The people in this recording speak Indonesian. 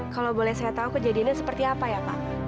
kalau boleh saya tahu kejadiannya seperti apa ya pak